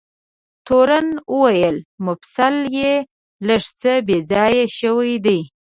تورن وویل: مفصل یې لږ څه بې ځایه شوی دی.